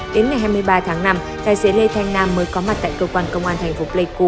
đến ngày hai mươi ba tháng năm tài xế lê thanh nam mới có mặt tại cơ quan công an thành phố pleiku